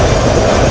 itu udah gila